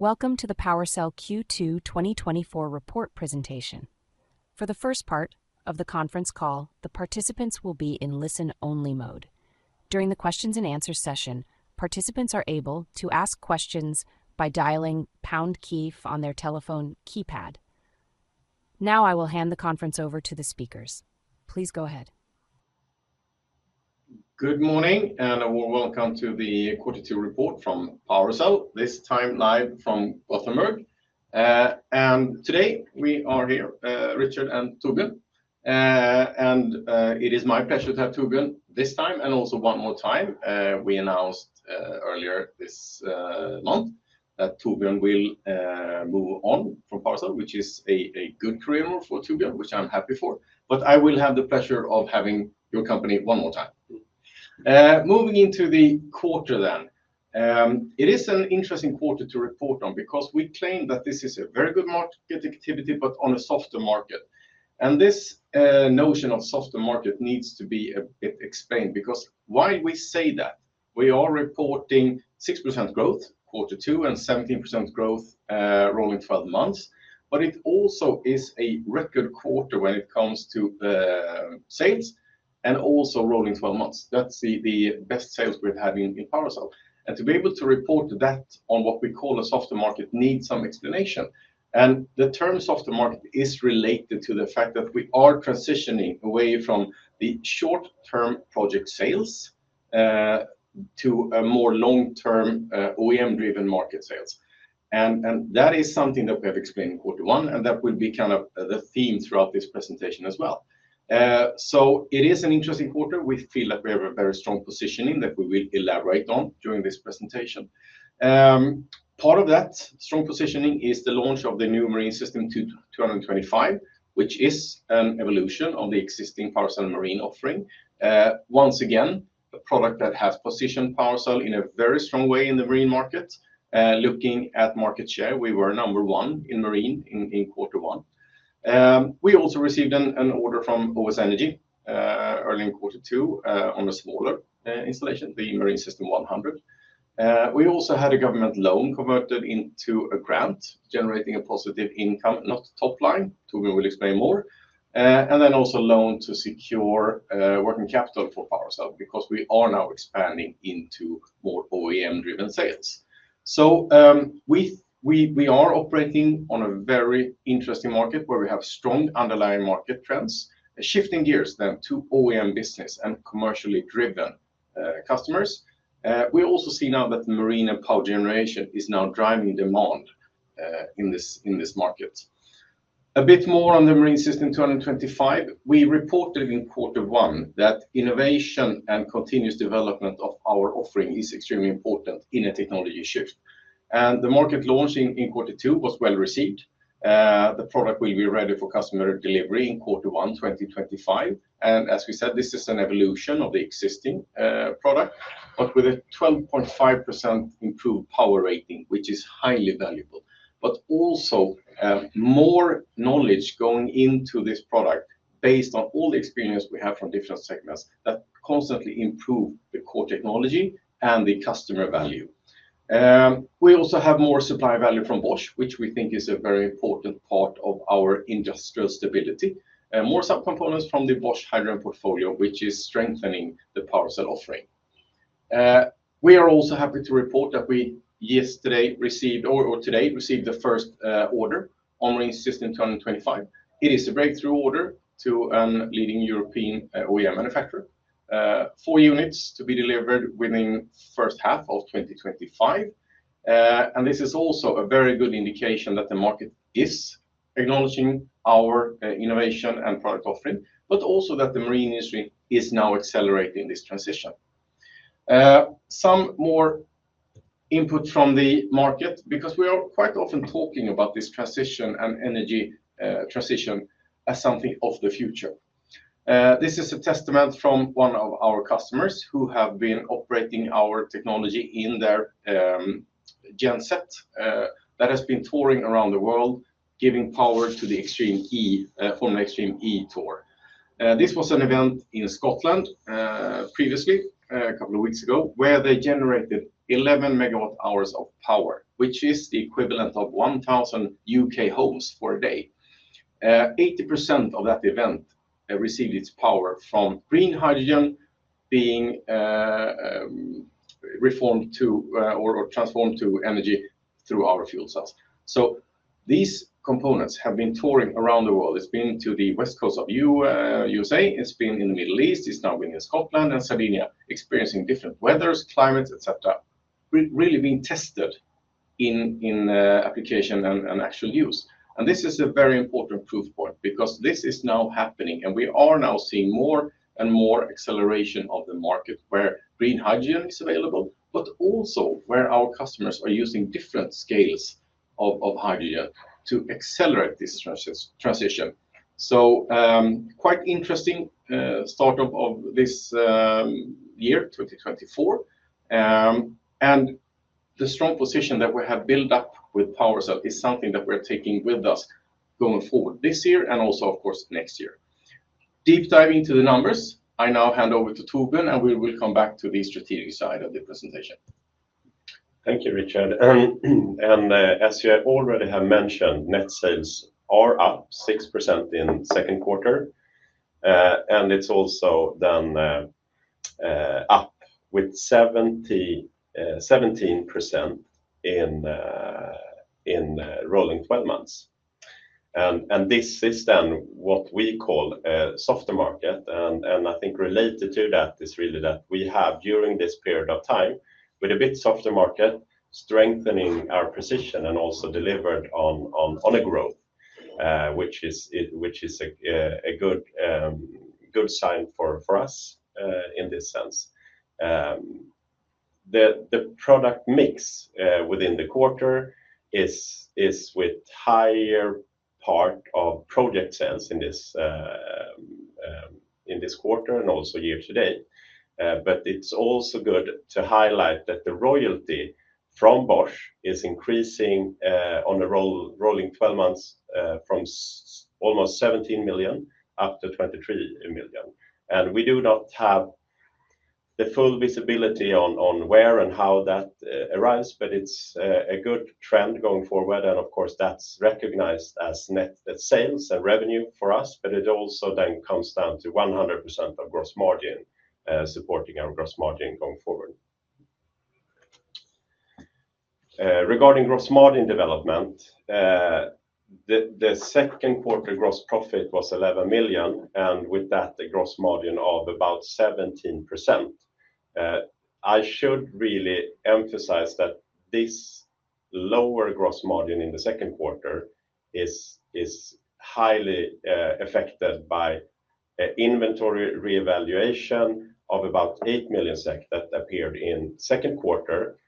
Welcome to the PowerCell Q2 2024 report presentation. For the first part of the conference call, the participants will be in listen-only mode. During the questions and answer session, participants are able to ask questions by dialing pound key on their telephone keypad. Now, I will hand the conference over to the speakers. Please go ahead. Good morning, and welcome to the Quarter Two report from PowerCell, this time live from Gothenburg. And today we are here, Richard and Torbjörn. And it is my pleasure to have Torbjörn this time and also one more time. We announced earlier this month that Torbjörn will move on from PowerCell, which is a good career move for Torbjörn, which I'm happy for, but I will have the pleasure of having your company one more time. Moving into the quarter then, it is an interesting quarter to report on because we claim that this is a very good market activity, but on a softer market. And this notion of softer market needs to be a bit explained, because why we say that? We are reporting 6% growth Quarter Two, and 17% growth, rolling 12 months. But it also is a record quarter when it comes to sales and also rolling 12 months. That's the best sales we've had in PowerCell. To be able to report that on what we call a softer market needs some explanation. The term softer market is related to the fact that we are transitioning away from the short-term project sales to a more long-term OEM-driven market sales. That is something that we have explained in Quarter One, and that will be kind of the theme throughout this presentation as well. So it is an interesting quarter. We feel like we have a very strong positioning that we will elaborate on during this presentation. Part of that strong positioning is the launch of the new Marine System 225, which is an evolution of the existing PowerCell Marine offering. Once again, a product that has positioned PowerCell in a very strong way in the marine market. Looking at market share, we were number one in marine in Quarter One. We also received an order from OS Energy early in Quarter Two, on a smaller installation, the Marine System 100. We also had a government loan converted into a grant, generating a positive income, not top line, Torbjörn will explain more. And then also loan to secure working capital for PowerCell because we are now expanding into more OEM-driven sales. So, we are operating on a very interesting market where we have strong underlying market trends. Shifting gears then to OEM business and commercially driven, customers, we also see now that the marine and power generation is now driving demand, in this, in this market. A bit more on the Marine System 225. We reported in Quarter One that innovation and continuous development of our offering is extremely important in a technology shift, and the market launching in Quarter Two was well received. The product will be ready for customer delivery in Quarter One, 2025. And as we said, this is an evolution of the existing, product, but with a 12.5% improved power rating, which is highly valuable. But also, more knowledge going into this product based on all the experience we have from different segments that constantly improve the core technology and the customer value. We also have more supply value from Bosch, which we think is a very important part of our industrial stability. More subcomponents from the Bosch hydrogen portfolio, which is strengthening the PowerCell offering. We are also happy to report that we yesterday received or today received the first order on Marine System 225. It is a breakthrough order to a leading European OEM manufacturer. Four units to be delivered within first half of 2025. And this is also a very good indication that the market is acknowledging our innovation and product offering, but also that the marine industry is now accelerating this transition. Some more input from the market, because we are quite often talking about this transition and energy transition as something of the future. This is a testament from one of our customers who have been operating our technology in their genset that has been touring around the world, giving power to the Extreme E Formula Extreme E tour. This was an event in Scotland previously a couple of weeks ago, where they generated 11 megawatt hours of power, which is the equivalent of 1,000 U.K. homes for a day. Eighty percent of that event received its power from green hydrogen being reformed to or transformed to energy through our fuel cells. So these components have been touring around the world. It's been to the West Coast of USA, it's been in the Middle East, it's now been in Scotland and Sardinia, experiencing different weathers, climates, et cetera. Really being tested in application and actual use. And this is a very important proof point, because this is now happening, and we are now seeing more and more acceleration of the market where green hydrogen is available, but also where our customers are using different scales of hydrogen to accelerate this transition. So, quite interesting start of this year, 2024. And the strong position that we have built up with PowerCell is something that we're taking with us going forward this year and also, of course, next year.... Deep diving into the numbers, I now hand over to Torbjörn, and we will come back to the strategic side of the presentation. Thank you, Richard. As you already have mentioned, net sales are up 6% in second quarter. And it's also up 17% in rolling twelve months. And this is what we call a softer market. And I think related to that is really that we have, during this period of time, with a bit softer market, strengthening our position and also delivered on a growth, which is a good sign for us in this sense. The product mix within the quarter is with higher part of project sales in this quarter and also year to date. But it's also good to highlight that the royalty from Bosch is increasing on a rolling twelve months from almost 17 million up to 23 million. And we do not have the full visibility on where and how that arise, but it's a good trend going forward. And of course, that's recognized as net sales and revenue for us, but it also then comes down to 100% of gross margin supporting our gross margin going forward. Regarding gross margin development, the second quarter gross profit was 11 million, and with that, a gross margin of about 17%. I should really emphasize that this lower gross margin in the second quarter is highly affected by an inventory reevaluation of about 8 million SEK that appeared in second quarter.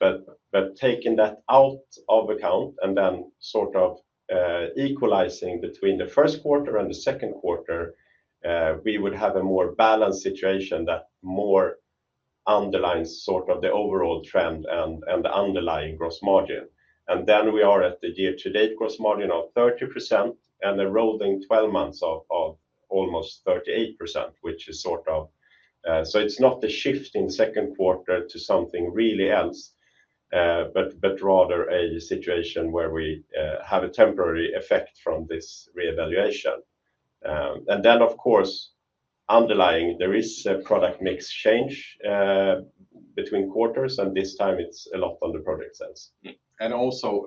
But taking that out of account and then sort of equalizing between the first quarter and the second quarter, we would have a more balanced situation that more underlines sort of the overall trend and the underlying gross margin. And then we are at the year-to-date gross margin of 30% and the rolling twelve months of almost 38%, which is sort of. So it's not a shift in the second quarter to something really else, but rather a situation where we have a temporary effect from this reevaluation. And then, of course, underlying, there is a product mix change between quarters, and this time it's a lot on the project sales. Mm-hmm. And also,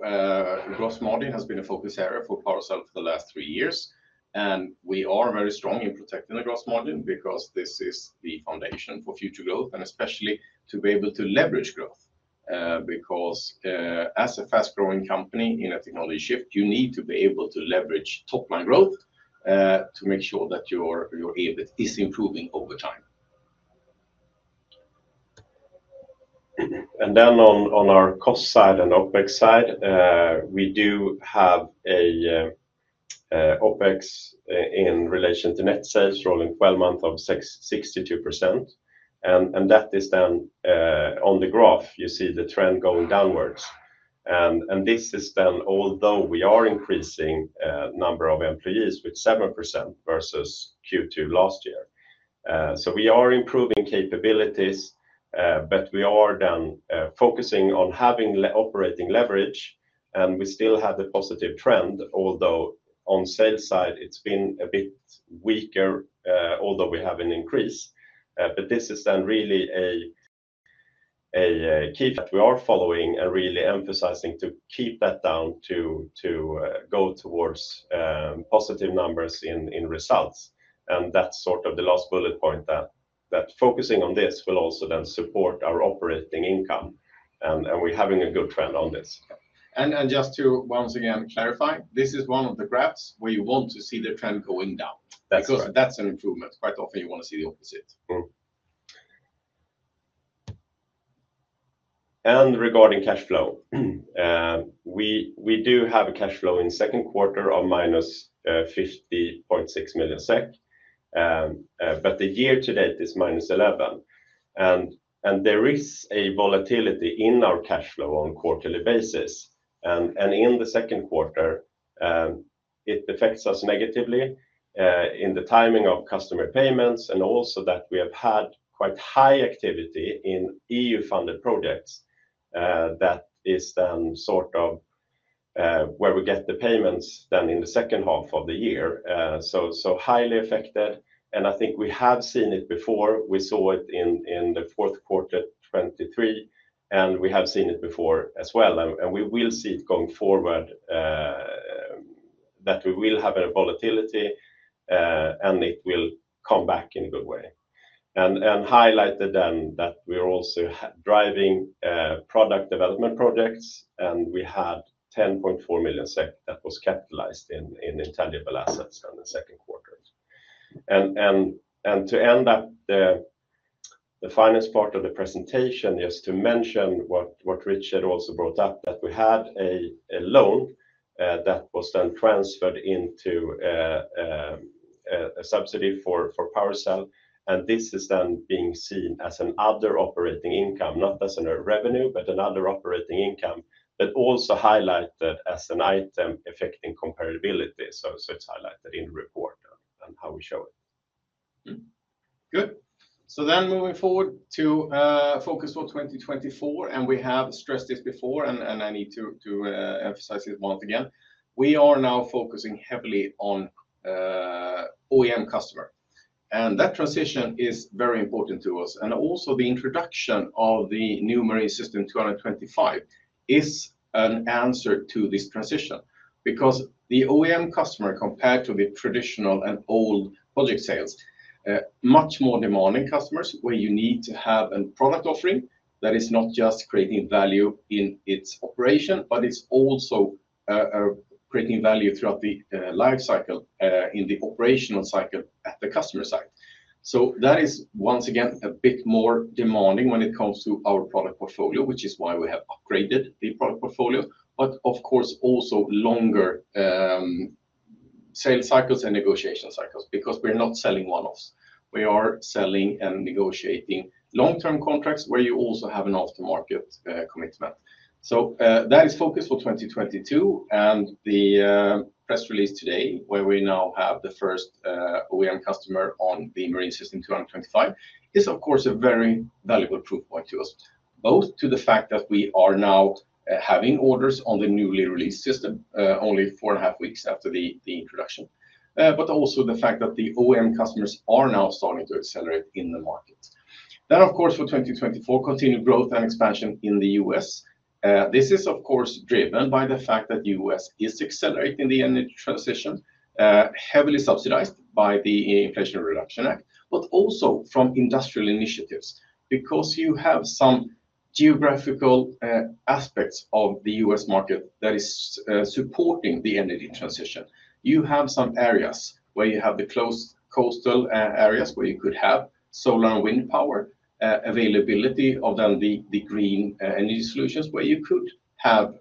gross margin has been a focus area for PowerCell for the last three years, and we are very strongly protecting the gross margin because this is the foundation for future growth, and especially to be able to leverage growth. Because, as a fast-growing company in a technology shift, you need to be able to leverage top-line growth, to make sure that your EBIT is improving over time. On our cost side and OpEx side, we do have an OpEx in relation to net sales rolling 12-month of 62%. And that is then on the graph, you see the trend going downwards. And this is then, although we are increasing number of employees with 7% versus Q2 last year. So we are improving capabilities, but we are then focusing on having operating leverage, and we still have a positive trend, although on sales side it's been a bit weaker, although we have an increase. But this is then really a key that we are following and really emphasizing to keep that down to go towards positive numbers in results. That's sort of the last bullet point that focusing on this will also then support our operating income, and we're having a good trend on this. And just to once again clarify, this is one of the graphs where you want to see the trend going down. That's right. Because that's an improvement. Quite often, you want to see the opposite. Regarding cash flow, we do have a cash flow in second quarter of -50.6 million SEK. But the year to date is -11 million SEK. There is a volatility in our cash flow on quarterly basis. In the second quarter, it affects us negatively in the timing of customer payments, and also that we have had quite high activity in EU-funded projects. That is then sort of where we get the payments then in the second half of the year. So highly affected, and I think we have seen it before. We saw it in the fourth quarter 2023, and we have seen it before as well, and we will see it going forward, that we will have a volatility, and it will come back in a good way. And highlighted then that we are also driving product development projects, and we had 10.4 million SEK that was capitalized in intangible assets during the second quarter. And to end that, the finance part of the presentation is to mention what Richard also brought up, that we had a loan that was then transferred into a subsidy for PowerCell. And this is then being seen as another operating income, not as a revenue, but another operating income, but also highlighted as an item affecting comparability. So, it's highlighted in the report and how we show it.... Mm-hmm. Good. So then moving forward to focus for 2024, and we have stressed this before, and I need to emphasize it once again, we are now focusing heavily on OEM customer, and that transition is very important to us. And also the introduction of the new Marine System 225 is an answer to this transition because the OEM customer, compared to the traditional and old project sales, much more demanding customers, where you need to have a product offering that is not just creating value in its operation, but it's also creating value throughout the life cycle in the operational cycle at the customer site. So that is once again, a bit more demanding when it comes to our product portfolio, which is why we have upgraded the product portfolio, but of course, also longer sales cycles and negotiation cycles because we're not selling one-offs. We are selling and negotiating long-term contracts, where you also have an aftermarket commitment. So that is focus for 2022, and the press release today, where we now have the first OEM customer on the Marine System 225, is, of course, a very valuable proof point to us, both to the fact that we are now having orders on the newly released system only 4.5 weeks after the introduction, but also the fact that the OEM customers are now starting to accelerate in the market. Then, of course, for 2024, continued growth and expansion in the U.S. This is, of course, driven by the fact that the US is accelerating the energy transition, heavily subsidized by the Inflation Reduction Act, but also from industrial initiatives because you have some geographical aspects of the US market that is supporting the energy transition. You have some areas where you have the close coastal areas where you could have solar and wind power availability of the green energy solutions, where you could have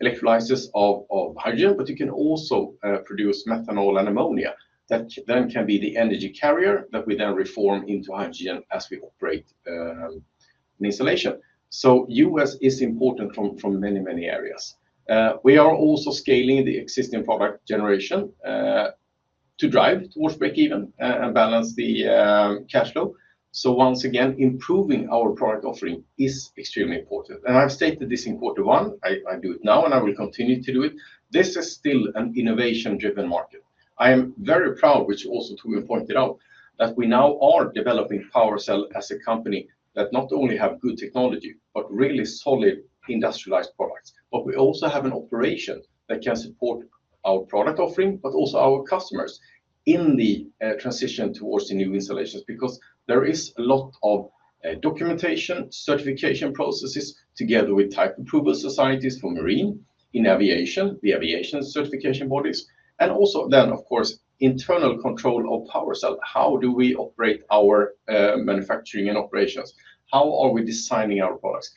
electrolysis of hydrogen, but you can also produce methanol and ammonia. That then can be the energy carrier that we then reform into hydrogen as we operate an installation. So US is important from many, many areas. We are also scaling the existing product generation to drive towards break-even and balance the cash flow. So once again, improving our product offering is extremely important, and I've stated this in quarter one, I do it now, and I will continue to do it. This is still an innovation-driven market. I am very proud, which also to have pointed out, that we now are developing PowerCell as a company that not only have good technology, but really solid industrialized products. But we also have an operation that can support our product offering, but also our customers in the transition towards the new installations because there is a lot of documentation, certification processes together with type approval societies for marine, in aviation, the aviation certification bodies, and also then, of course, internal control of PowerCell. How do we operate our manufacturing and operations? How are we designing our products?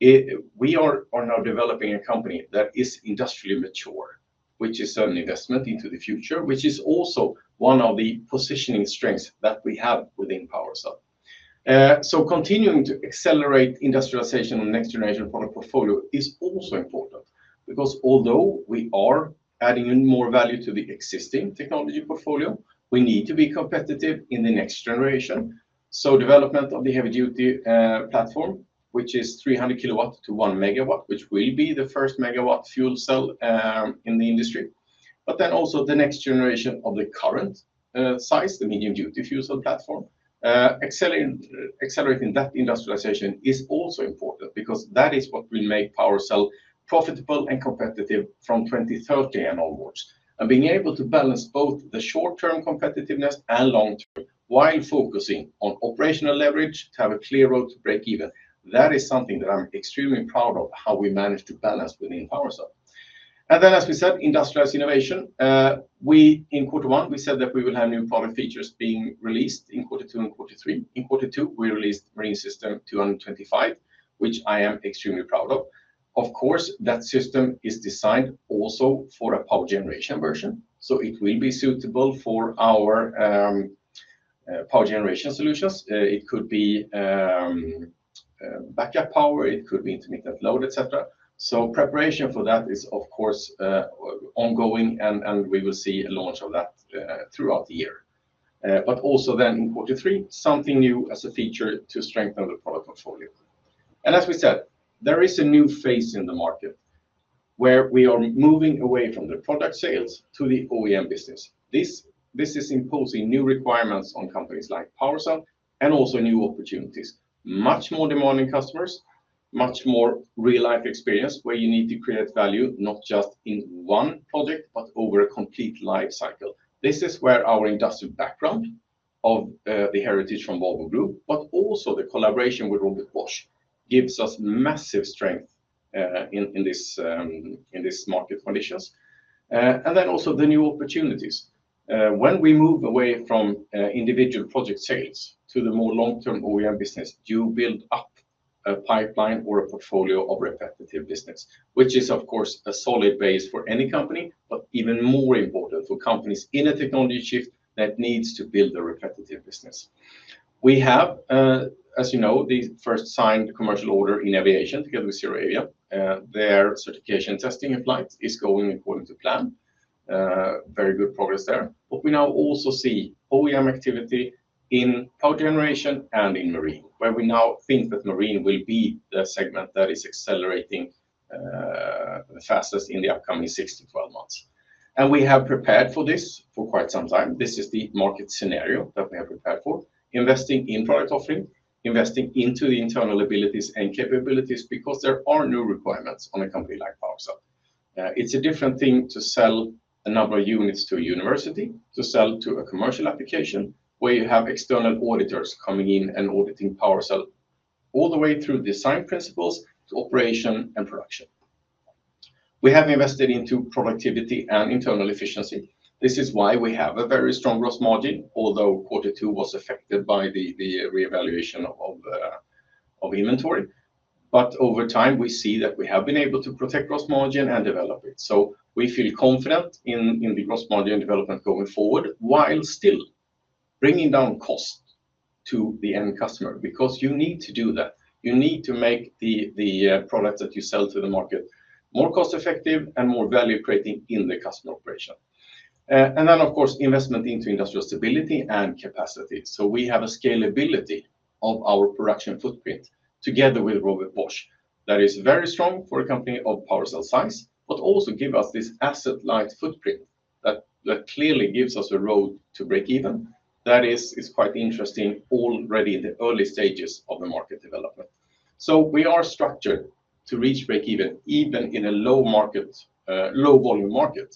We are now developing a company that is industrially mature, which is an investment into the future, which is also one of the positioning strengths that we have within PowerCell. So continuing to accelerate industrialization and next-generation product portfolio is also important because although we are adding in more value to the existing technology portfolio, we need to be competitive in the next generation. So development of the heavy-duty platform, which is 300 kilowatts to 1 megawatt, which will be the first megawatt fuel cell in the industry, but then also the next generation of the current size, the medium-duty fuel cell platform. Accelerating that industrialization is also important because that is what will make PowerCell profitable and competitive from 2030 and onwards. Being able to balance both the short-term competitiveness and long-term while focusing on operational leverage to have a clear road to break even, that is something that I'm extremely proud of, how we manage to balance within PowerCell. Then, as we said, industrialized innovation, we in quarter one, we said that we will have new product features being released in quarter two and quarter three. In quarter two, we released Marine System 225, which I am extremely proud of. Of course, that system is designed also for a power generation version, so it will be suitable for our power generation solutions. It could be backup power, it could be intermediate load, et cetera. So preparation for that is of course ongoing, and we will see a launch of that throughout the year. But also then in quarter three, something new as a feature to strengthen the product portfolio. As we said, there is a new phase in the market where we are moving away from the product sales to the OEM business. This is imposing new requirements on companies like PowerCell and also new opportunities. Much more demanding customers, much more real-life experience, where you need to create value not just in one project, but over a complete life cycle. This is where our industrial background of the heritage from Volvo Group, but also the collaboration with Robert Bosch, gives us massive strength in this market conditions. And then also the new opportunities. When we move away from individual project sales to the more long-term OEM business, you build up a pipeline or a portfolio of repetitive business, which is, of course, a solid base for any company, but even more important for companies in a technology shift that needs to build a repetitive business... We have, as you know, the first signed commercial order in aviation together with Saudia. Their certification testing of flights is going according to plan. Very good progress there. But we now also see OEM activity in power generation and in marine, where we now think that marine will be the segment that is accelerating the fastest in the upcoming 6-12 months. And we have prepared for this for quite some time. This is the market scenario that we have prepared for, investing in product offering, investing into the internal abilities and capabilities because there are new requirements on a company like PowerCell. It's a different thing to sell a number of units to a university, to sell to a commercial application where you have external auditors coming in and auditing PowerCell all the way through design principles to operation and production. We have invested into productivity and internal efficiency. This is why we have a very strong gross margin, although quarter two was affected by the reevaluation of inventory. But over time, we see that we have been able to protect gross margin and develop it. So we feel confident in the gross margin development going forward, while still bringing down cost to the end customer, because you need to do that. You need to make the product that you sell to the market more cost-effective and more value-creating in the customer operation. And then, of course, investment into industrial stability and capacity. So we have a scalability of our production footprint together with Robert Bosch that is very strong for a company of PowerCell size, but also give us this asset-light footprint that clearly gives us a road to break even. That is quite interesting already in the early stages of the market development. So we are structured to reach break even, even in a low market, low-volume market.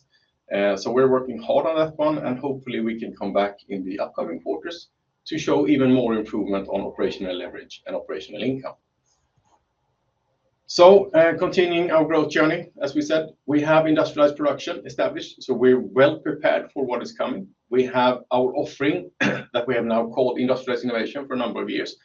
So we're working hard on that one, and hopefully we can come back in the upcoming quarters to show even more improvement on operational leverage and operational income. So, continuing our growth journey, as we said, we have industrialized production established, so we're well prepared for what is coming. We have our offering that we have now called industrialized innovation for a number of years.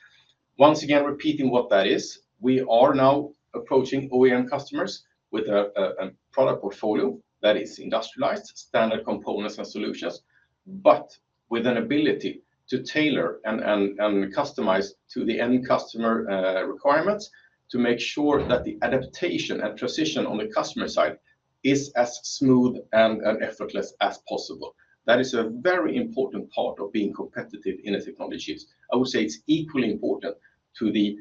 Once again, repeating what that is, we are now approaching OEM customers with a product portfolio that is industrialized, standard components and solutions, but with an ability to tailor and customize to the end customer requirements to make sure that the adaptation and transition on the customer side is as smooth and effortless as possible. That is a very important part of being competitive in a technology shift. I would say it's equally important to the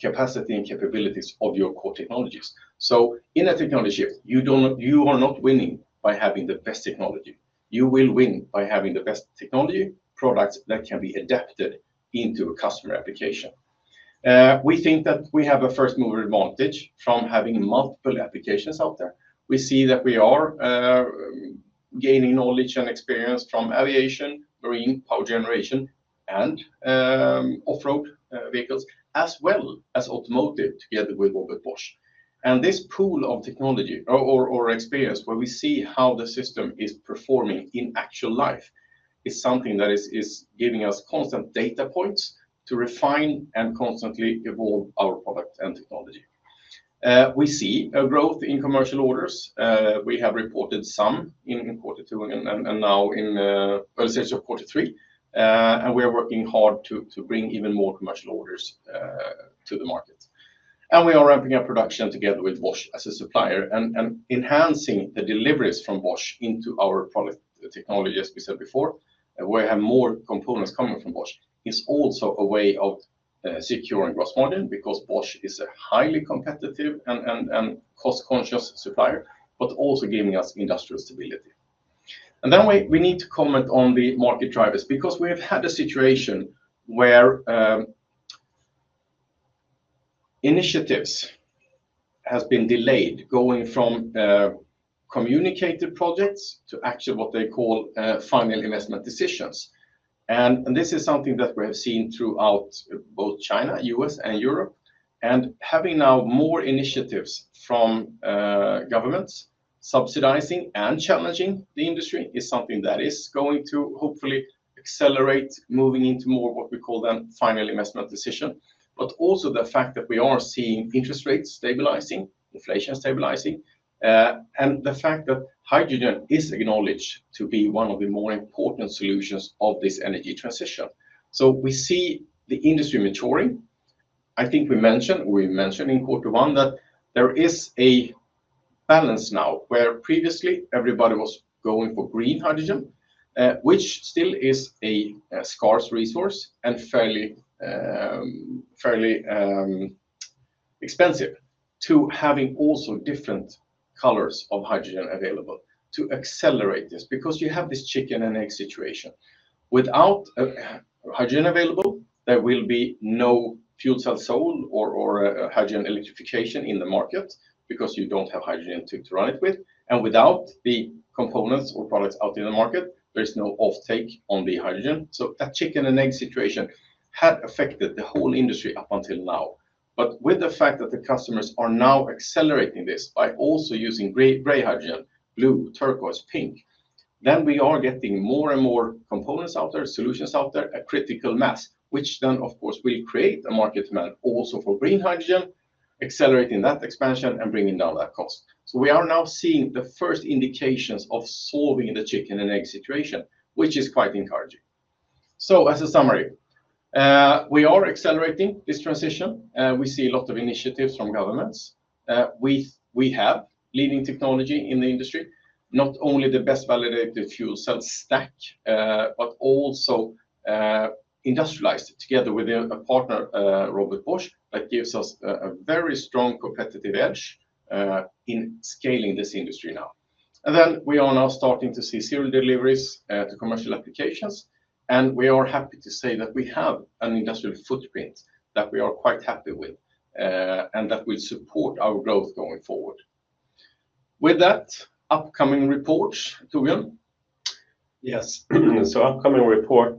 capacity and capabilities of your core technologies. So in a technology shift, you don't... You are not winning by having the best technology. You will win by having the best technology products that can be adapted into a customer application. We think that we have a first-mover advantage from having multiple applications out there. We see that we are gaining knowledge and experience from aviation, marine, power generation, and off-road vehicles, as well as automotive, together with Robert Bosch. And this pool of technology or experience, where we see how the system is performing in actual life, is something that is giving us constant data points to refine and constantly evolve our product and technology. We see a growth in commercial orders. We have reported some in quarter two and now in early stages of quarter three. And we are working hard to bring even more commercial orders to the market. We are ramping up production together with Bosch as a supplier and enhancing the deliveries from Bosch into our product technology, as we said before, where we have more components coming from Bosch, is also a way of securing gross margin, because Bosch is a highly competitive and cost-conscious supplier, but also giving us industrial stability. Then we need to comment on the market drivers, because we have had a situation where initiatives has been delayed, going from communicated projects to actually what they call final investment decisions. This is something that we have seen throughout both China, U.S., and Europe. Having now more initiatives from governments subsidizing and challenging the industry is something that is going to hopefully accelerate moving into more what we call the final investment decision, but also the fact that we are seeing interest rates stabilizing, inflation stabilizing, and the fact that hydrogen is acknowledged to be one of the more important solutions of this energy transition. So we see the industry maturing. I think we mentioned in quarter one that there is a balance now, where previously everybody was going for green hydrogen, which still is a scarce resource and fairly expensive, to having also different colors of hydrogen available to accelerate this, because you have this chicken-and-egg situation. Without hydrogen available, there will be no fuel cell sold or hydrogen electrification in the market because you don't have hydrogen to run it with. And without the components or products out in the market, there's no offtake on the hydrogen. So that chicken-and-egg situation had affected the whole industry up until now. But with the fact that the customers are now accelerating this by also using gray, gray hydrogen, blue, turquoise, pink, then we are getting more and more components out there, solutions out there, a critical mass, which then, of course, will create a market demand also for green hydrogen... accelerating that expansion and bringing down that cost. So we are now seeing the first indications of solving the chicken and egg situation, which is quite encouraging. So as a summary, we are accelerating this transition, we see a lot of initiatives from governments. We have leading technology in the industry, not only the best validated fuel cell stack, but also industrialized together with a partner, Robert Bosch, that gives us a very strong competitive edge in scaling this industry now. And then we are now starting to see serial deliveries to commercial applications, and we are happy to say that we have an industrial footprint that we are quite happy with, and that will support our growth going forward. With that, upcoming reports, Torbjörn? Yes. So upcoming report,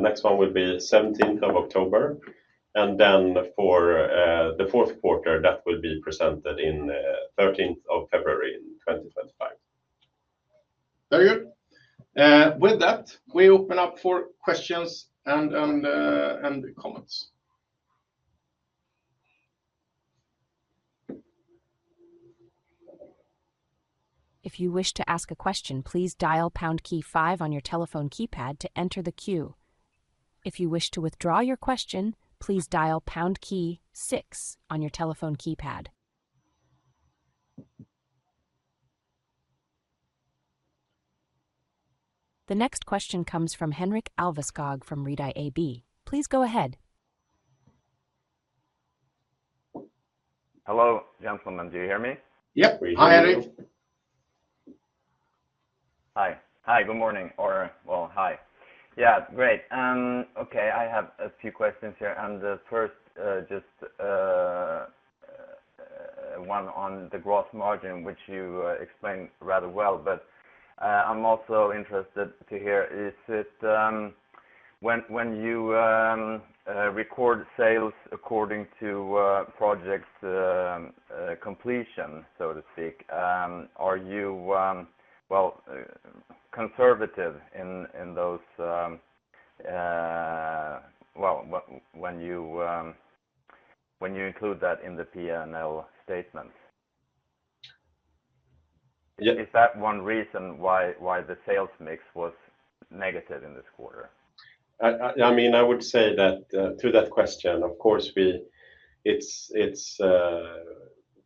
next one will be seventeenth of October, and then for the fourth quarter, that will be presented in thirteenth of February, twenty twenty-five. Very good. With that, we open up for questions and comments. If you wish to ask a question, please dial pound key five on your telephone keypad to enter the queue. If you wish to withdraw your question, please dial pound key six on your telephone keypad. The next question comes from Henrik Alveskog from Redeye AB. Please go ahead. Hello, gentlemen. Do you hear me? Yep. We hear you. Hi, Henrik. Hi. Hi, good morning, or well, hi. Yeah, great. Okay, I have a few questions here, and the first, just one on the gross margin, which you explained rather well, but I'm also interested to hear, is it... When you record sales according to projects completion, so to speak, are you conservative in those... When you include that in the PNL statements? Yeah- Is that one reason why the sales mix was negative in this quarter? I mean, I would say that to that question, of course, we—it's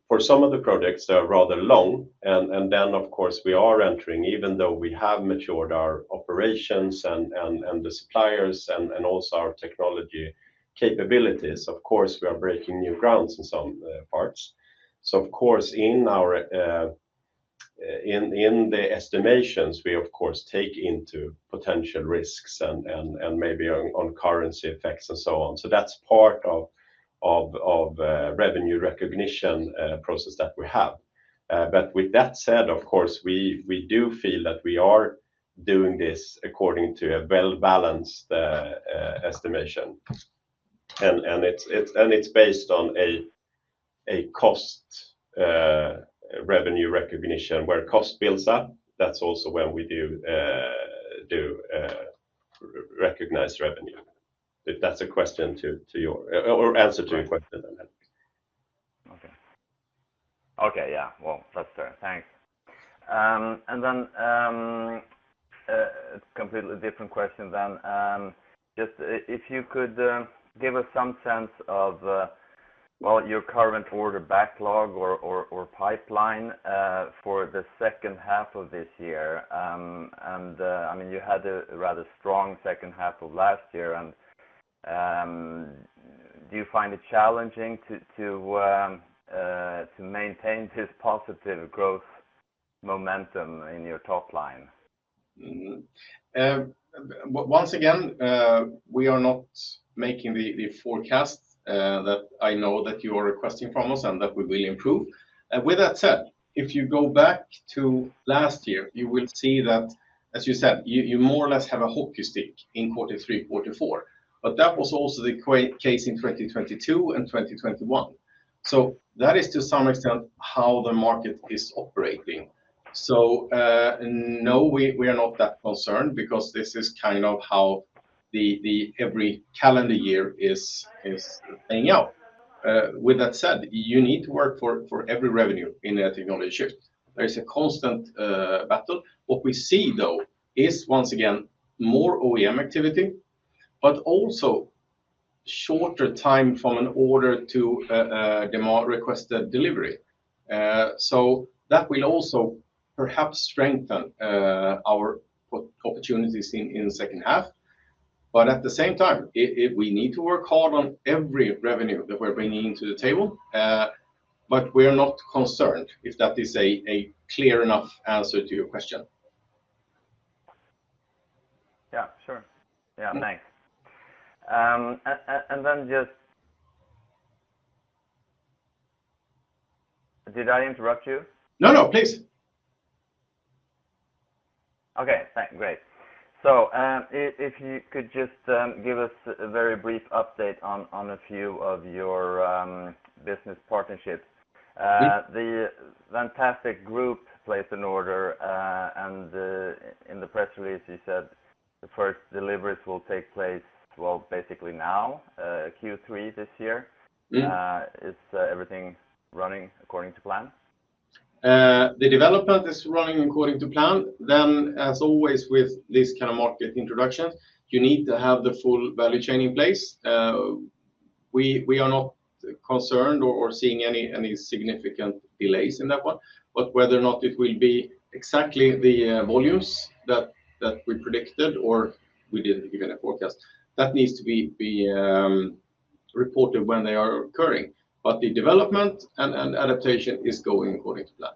for some of the projects, they are rather long, and then, of course, we are entering, even though we have matured our operations and the suppliers and also our technology capabilities, of course, we are breaking new grounds in some parts. So of course, in the estimations, we of course take into potential risks and maybe on currency effects and so on. So that's part of revenue recognition process that we have. But with that said, of course, we do feel that we are doing this according to a well-balanced estimation. And it's based on a cost revenue recognition. Where cost builds up, that's also when we do recognize revenue. If that's a question to your or answer to your question. Okay. Okay, yeah. Well, that's fair. Thanks. And then, completely different question then. Just if you could give us some sense of, well, your current order backlog or pipeline for the second half of this year. And, I mean, you had a rather strong second half of last year and, do you find it challenging to maintain this positive growth momentum in your top line? Mm-hmm. Once again, we are not making the forecast that I know that you are requesting from us, and that we will improve. With that said, if you go back to last year, you will see that, as you said, you more or less have a hockey stick in quarter three, quarter four. But that was also the case in 2022 and 2021. So that is to some extent how the market is operating. So, no, we are not that concerned because this is kind of how the every calendar year is playing out. With that said, you need to work for every revenue in a technology shift. There is a constant battle. What we see, though, is, once again, more OEM activity, but also shorter time from an order to a demand-requested delivery. So that will also perhaps strengthen our opportunities in the second half. But at the same time, it, we need to work hard on every revenue that we're bringing to the table, but we are not concerned, if that is a clear enough answer to your question. Yeah, sure. Yeah, thanks. And then just... Did I interrupt you? No, no, please. Okay, thanks. Great. So, if you could just give us a very brief update on a few of your business partnerships. The HAV Group placed an order, and in the press release, you said the first deliveries will take place, well, basically now, Q3 this year. Yeah. Is everything running according to plan? The development is running according to plan. As always, with this kind of market introduction, you need to have the full value chain in place. We are not concerned or seeing any significant delays in that one. But whether or not it will be exactly the volumes that we predicted, or we didn't give any forecast, that needs to be reported when they are occurring. But the development and adaptation is going according to plan.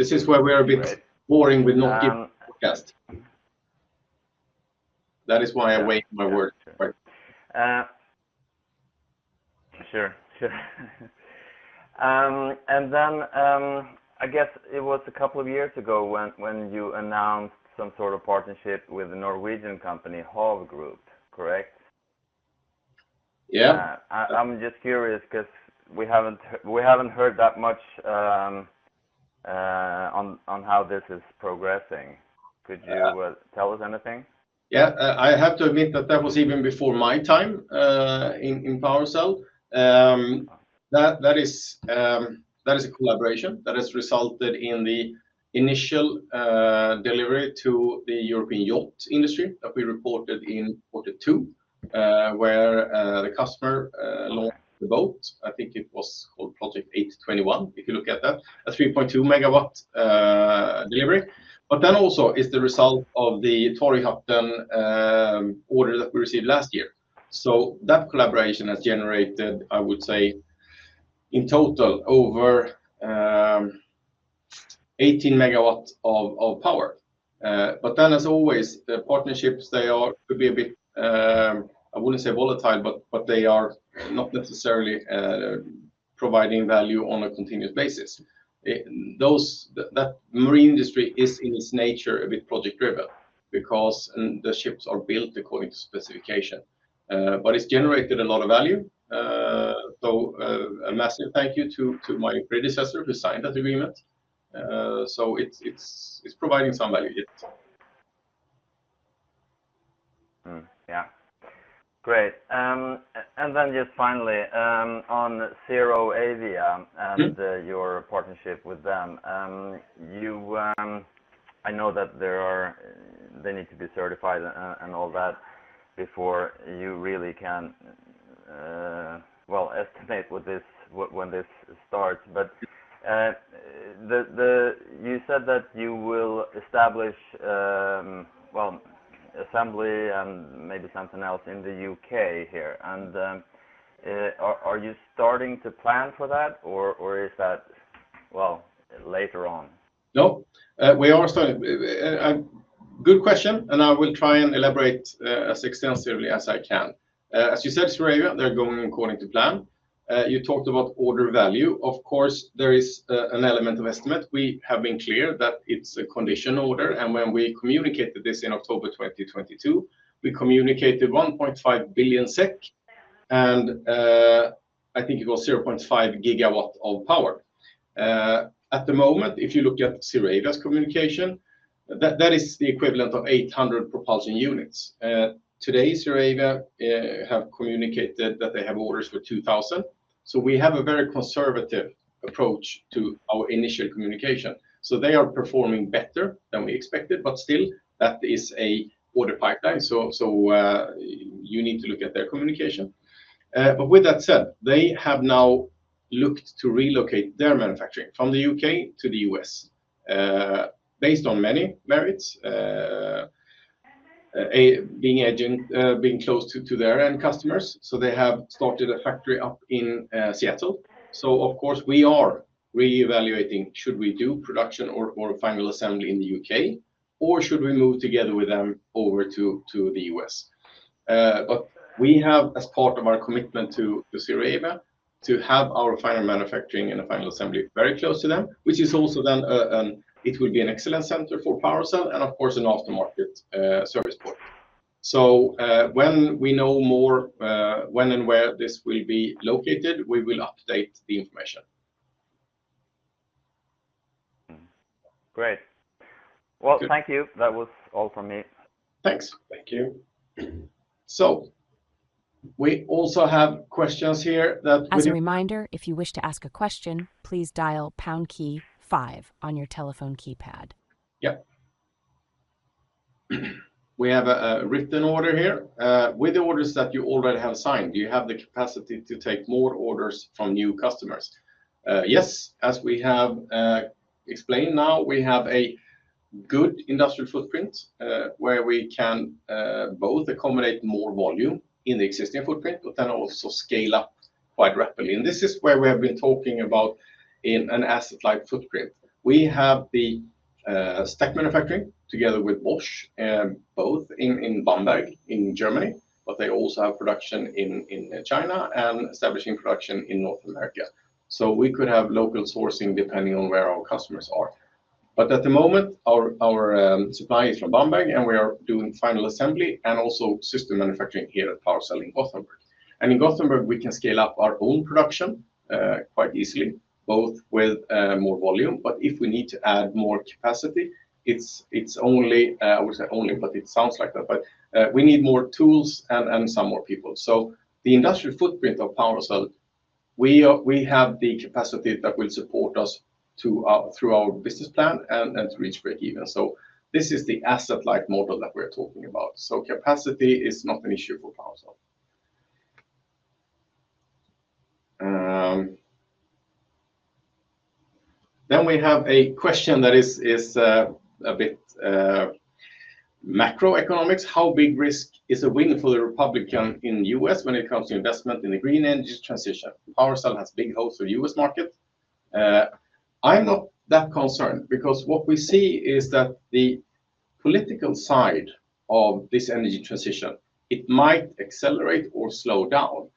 This is where we are a bit boring with not giving forecast. Mm. That is why I wake my word. Sure, sure. And then, I guess it was a couple of years ago when you announced some sort of partnership with the Norwegian company, HAV Group, correct? Yeah. I'm just curious 'cause we haven't heard that much on how this is progressing. Yeah. Could you tell us anything? Yeah, I have to admit that that was even before my time, in PowerCell. That is a collaboration that has resulted in the initial delivery to the European yacht industry that we reported in 2022, where the customer launched the boat. I think it was called Project 821, if you look at that. A 3.2 MW delivery. But that also is the result of the Torghatten Nord order that we received last year. So that collaboration has generated, I would say, in total, over 18 MW of power. But then, as always, the partnerships they are could be a bit, I wouldn't say volatile, but they are not necessarily providing value on a continuous basis. Those... That marine industry is, in its nature, a bit project-driven because the ships are built according to specification. But it's generated a lot of value. So, a massive thank you to my predecessor who signed that agreement. So it's providing some value, yes. Yeah. Great. And then just finally, on ZeroAvia- Mm... and your partnership with them, you, I know that they need to be certified and all that before you really can estimate when this starts. Mm. But you said that you will establish, well, assembly and maybe something else in the UK here, and are you starting to plan for that, or is that, well, later on? No, good question, and I will try and elaborate as extensively as I can. As you said, ZeroAvia, they're going according to plan. You talked about order value. Of course, there is an element of estimate. We have been clear that it's a conditional order, and when we communicated this in October 2022, we communicated 1.5 billion SEK, and I think it was 0.5 GW of power. At the moment, if you look at ZeroAvia's communication, that is the equivalent of 800 propulsion units. Today, ZeroAvia have communicated that they have orders for 2,000. So we have a very conservative approach to our initial communication. So they are performing better than we expected, but still, that is an order pipeline. So, you need to look at their communication. But with that said, they have now looked to relocate their manufacturing from the U.K. to the U.S., based on many merits, being close to their end customers, so they have started a factory up in Seattle. So of course, we are reevaluating, should we do production or final assembly in the U.K., or should we move together with them over to the U.S.? But we have, as part of our commitment to ZeroAvia, to have our final manufacturing and a final assembly very close to them, which is also then it will be an excellent center for PowerCell and of course, an aftermarket service port. So, when we know more, when and where this will be located, we will update the information. Mm. Great. Good. Well, thank you. That was all from me. Thanks. Thank you. So we also have questions here that we- As a reminder, if you wish to ask a question, please dial #5 on your telephone keypad. Yep. We have a written order here. With the orders that you already have signed, do you have the capacity to take more orders from new customers? Yes, as we have explained, now we have a good industrial footprint, where we can both accommodate more volume in the existing footprint, but then also scale up quite rapidly. And this is where we have been talking about in an asset-light footprint. We have the stack manufacturing together with Bosch, both in Bamberg, in Germany, but they also have production in China and establishing production in North America. So we could have local sourcing depending on where our customers are. But at the moment, our supply is from Bamberg, and we are doing final assembly and also system manufacturing here at PowerCell in Gothenburg. In Gothenburg, we can scale up our own production quite easily, both with more volume, but if we need to add more capacity, it's only, I would say only, but it sounds like that, but we need more tools and some more people. So the industrial footprint of PowerCell, we have the capacity that will support us through our business plan and to reach breakeven. So this is the asset-light model that we're talking about. So capacity is not an issue for PowerCell. Then we have a question that is a bit macroeconomics. "How big risk is a win for the Republican in U.S. when it comes to investment in the green energy transition? PowerCell has big hopes for the U.S. market." I'm not that concerned because what we see is that the political side of this energy transition, it might accelerate or slow down,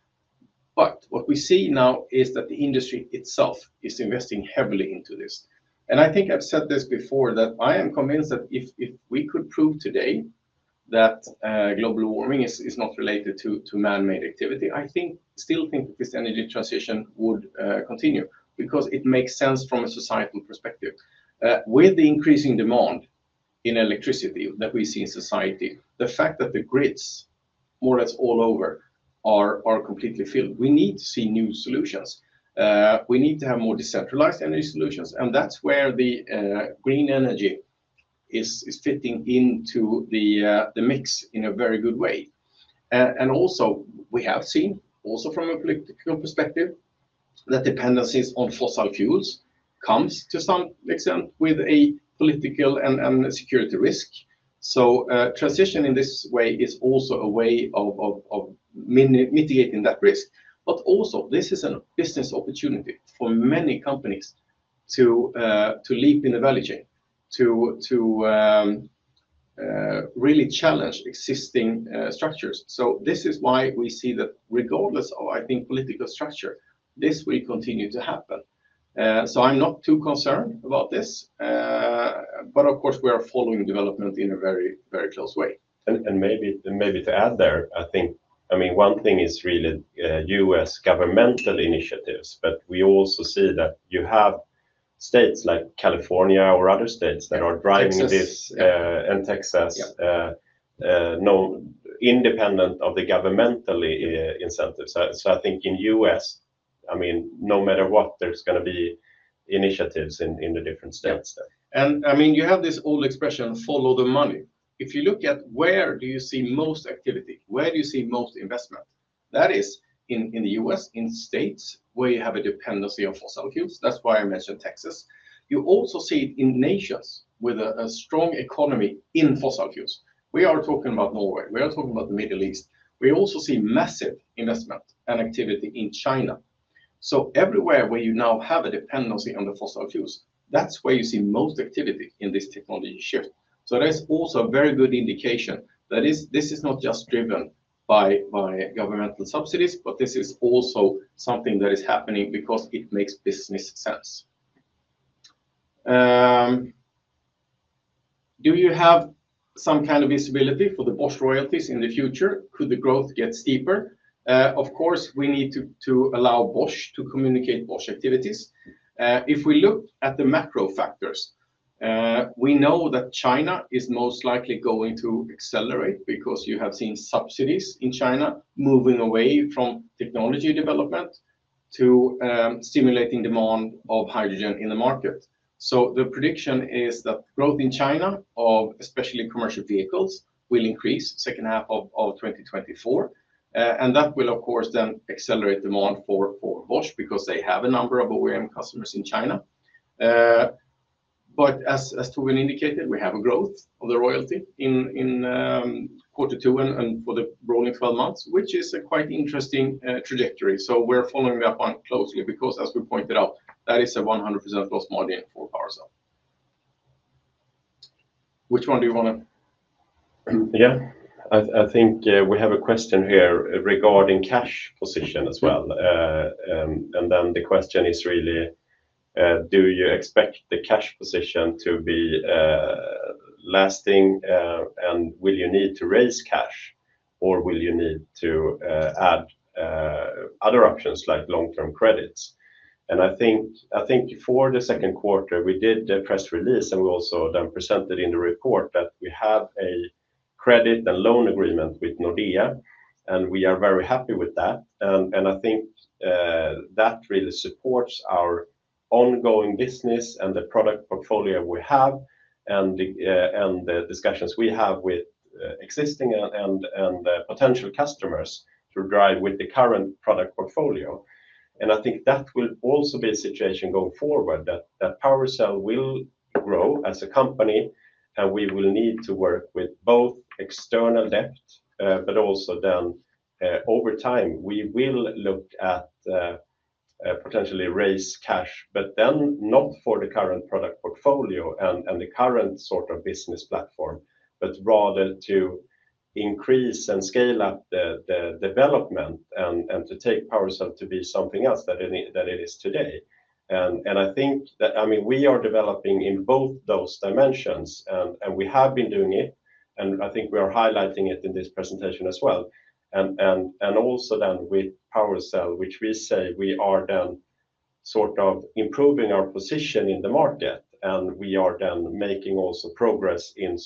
but what we see now is that the industry itself is investing heavily into this. And I think I've said this before, that I am convinced that if we could prove today that global warming is not related to man-made activity, I still think that this energy transition would continue because it makes sense from a societal perspective. With the increasing demand in electricity that we see in society, the fact that the grids, more or less all over, are completely filled, we need to see new solutions. We need to have more decentralized energy solutions, and that's where the green energy is fitting into the mix in a very good way. And also we have seen, also from a political perspective, that dependencies on fossil fuels comes to some extent with a political and security risk. So transition in this way is also a way of minimizing that risk. But also, this is a business opportunity for many companies to leap in the value chain, to really challenge existing structures. So this is why we see that regardless of, I think, political structure, this will continue to happen. So I'm not too concerned about this. But of course, we are following development in a very, very close way. And maybe to add there, I think, I mean, one thing is really U.S. governmental initiatives, but we also see that you have states like California or other states that are driving this- Texas. And Texas- Yeah ...no independent of the governmental incentives. So, I think in the U.S., I mean, no matter what, there's gonna be initiatives in the different states there. I mean, you have this old expression, follow the money. If you look at where do you see most activity, where do you see most investment? That is in the U.S., in states where you have a dependency on fossil fuels. That's why I mentioned Texas. You also see it in nations with a strong economy in fossil fuels. We are talking about Norway. We are talking about the Middle East. We also see massive investment and activity in China. So everywhere where you now have a dependency on the fossil fuels, that's where you see most activity in this technology shift. So that is also a very good indication. That is, this is not just driven by governmental subsidies, but this is also something that is happening because it makes business sense. Do you have some kind of visibility for the Bosch royalties in the future? Could the growth get steeper?" Of course, we need to allow Bosch to communicate Bosch activities. If we look at the macro factors, we know that China is most likely going to accelerate because you have seen subsidies in China moving away from technology development to stimulating demand of hydrogen in the market. So the prediction is that growth in China, of especially commercial vehicles, will increase second half of 2024. And that will, of course, then accelerate demand for Bosch because they have a number of OEM customers in China. But as Torbjörn indicated, we have a growth of the royalty in quarter two and for the rolling 12 months, which is a quite interesting trajectory. So we're following up on it closely because as we pointed out, that is a 100% gross margin for PowerCell. Which one do you wanna...? Yeah. I think we have a question here regarding cash position as well. Mm-hmm. The question is really: "Do you expect the cash position to be lasting, and will you need to raise cash, or will you need to add other options like long-term credits?" I think, I think for the second quarter, we did the press release, and we also then presented in the report that we have a credit and loan agreement with Nordea, and we are very happy with that. I think that really supports our ongoing business and the product portfolio we have, and the discussions we have with existing and potential customers to drive with the current product portfolio. I think that will also be a situation going forward, that PowerCell will grow as a company, and we will need to work with both external debt, but also then, over time, we will look at potentially raise cash, but then not for the current product portfolio and the current sort of business platform, but rather to increase and scale up the development and to take PowerCell to be something else than it is today. And I think that, I mean, we are developing in both those dimensions, and we have been doing it, and I think we are highlighting it in this presentation as well. And also then with PowerCell, which we say we are then sort of improving our position in the market, and we are then making also progress in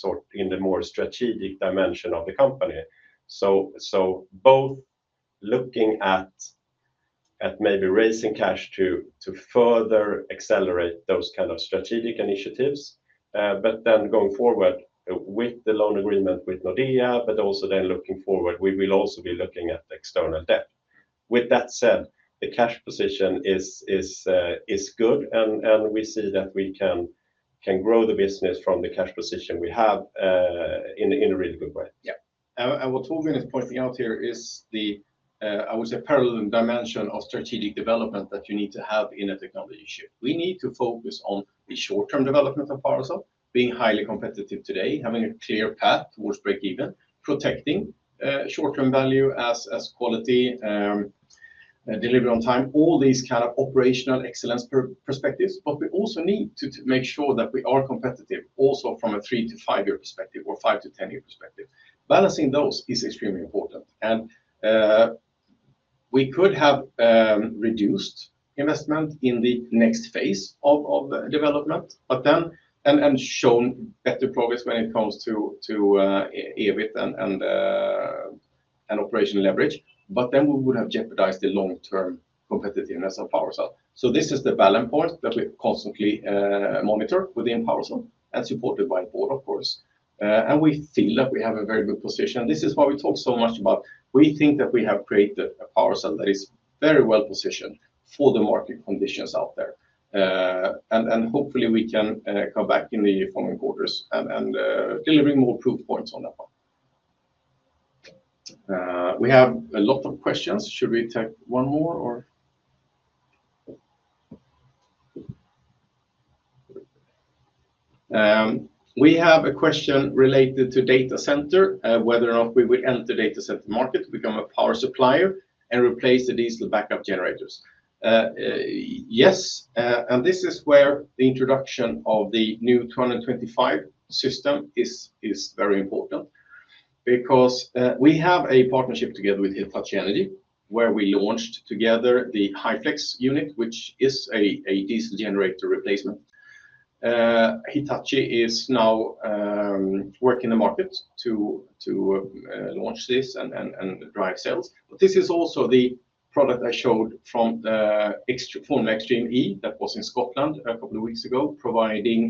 the more strategic dimension of the company. So both looking at maybe raising cash to further accelerate those kind of strategic initiatives, but then going forward with the loan agreement with Nordea, but also then looking forward, we will also be looking at external debt. With that said, the cash position is good, and we see that we can grow the business from the cash position we have in a really good way. Yeah. And what Torbjörn is pointing out here is the, I would say, parallel dimension of strategic development that you need to have in a technology shift. We need to focus on the short-term development of PowerCell, being highly competitive today, having a clear path towards breakeven, protecting short-term value as quality, delivery on time, all these kind of operational excellence perspectives. But we also need to make sure that we are competitive also from a 3-5-year perspective or 5-10-year perspective. Balancing those is extremely important. And we could have reduced investment in the next phase of the development, but then and shown better progress when it comes to EBIT and operational leverage, but then we would have jeopardized the long-term competitiveness of PowerCell. So this is the balance point that we constantly monitor within PowerCell and supported by board, of course. And we feel that we have a very good position, and this is why we talk so much about we think that we have created a PowerCell that is very well-positioned for the market conditions out there. And hopefully we can come back in the following quarters and delivering more proof points on that one. We have a lot of questions. Should we take one more or? We have a question related to data center, whether or not we would enter the data center market, become a power supplier, and replace the diesel backup generators. Yes, and this is where the introduction of the new 225 system is very important because we have a partnership together with Hitachi Energy, where we launched together the HyFlex unit, which is a diesel generator replacement. Hitachi is now working the market to launch this and drive sales. But this is also the product I showed from Extreme E that was in Scotland a couple of weeks ago, providing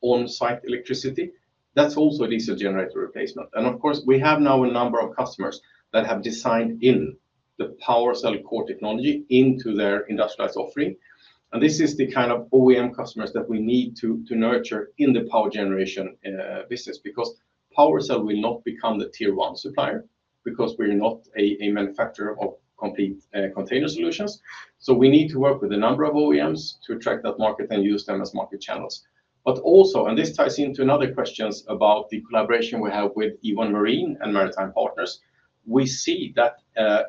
on-site electricity. That's also a diesel generator replacement. And of course, we have now a number of customers that have designed in the Power Cell core technology into their industrialized offering. This is the kind of OEM customers that we need to nurture in the power generation business, because Power Cell will not become the tier one supplier, because we're not a manufacturer of complete container solutions. So we need to work with a number of OEMs to attract that market and use them as market channels. But also, and this ties into another questions about the collaboration we have with e1 Marine and Maritime Partners, we see that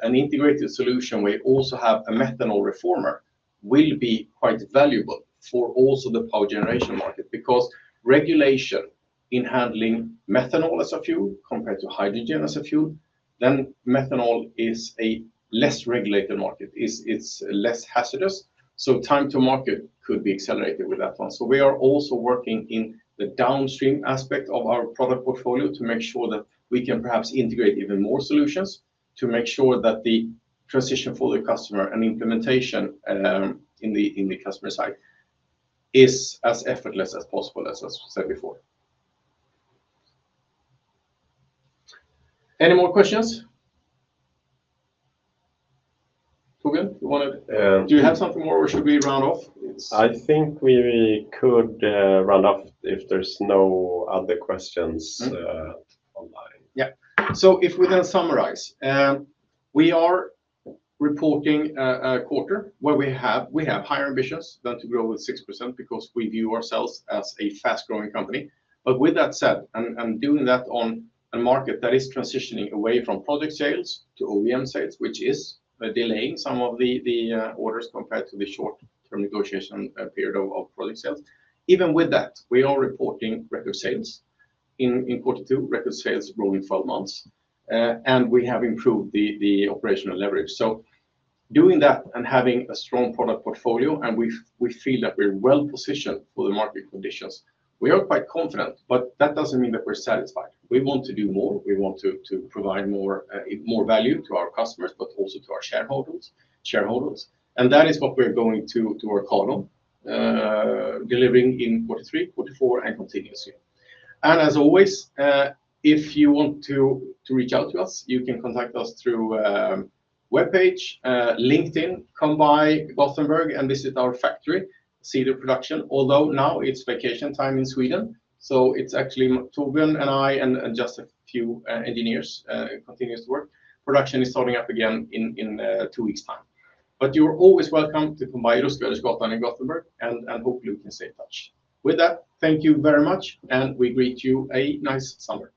an integrated solution where we also have a methanol reformer will be quite valuable for also the power generation market. Because regulation in handling methanol as a fuel compared to hydrogen as a fuel, then methanol is a less regulated market. It's less hazardous, so time to market could be accelerated with that one. So we are also working in the downstream aspect of our product portfolio to make sure that we can perhaps integrate even more solutions to make sure that the transition for the customer and implementation in the, in the customer side is as effortless as possible, as I said before. Any more questions? Torbjörn, you wanna- Uh- Do you have something more, or should we round off? It's- I think we could round off if there's no other questions? Mm-hmm... online. Yeah. So if we then summarize, we are reporting a quarter where we have higher ambitions than to grow with 6% because we view ourselves as a fast-growing company. But with that said, and doing that on a market that is transitioning away from product sales to OEM sales, which is delaying some of the orders compared to the short-term negotiation period of product sales. Even with that, we are reporting record sales in quarter two, record sales growing 12 months. And we have improved the operational leverage. So doing that and having a strong product portfolio, and we feel that we're well-positioned for the market conditions. We are quite confident, but that doesn't mean that we're satisfied. We want to do more. We want to provide more value to our customers, but also to our shareholders. That is what we're going to work hard on, delivering in 2023, 2024, and continuously. As always, if you want to reach out to us, you can contact us through our webpage, LinkedIn, come by Gothenburg and visit our factory, see the production. Although now it's vacation time in Sweden, so it's actually Torbjörn and I and just a few engineers, continuous work. Production is starting up again in two weeks time. But you're always welcome to come by Ruskvädersgatan in Gothenburg, and hope you can stay in touch. With that, thank you very much, and we wish you a nice summer.